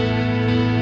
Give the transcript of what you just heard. oke sampai jumpa